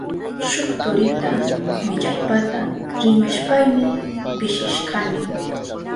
Shuk turita millaypata rimashpayni pishishkani.